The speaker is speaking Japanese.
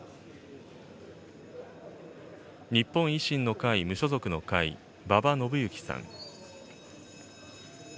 日本維新の会・無所属の会、馬場伸幸さん。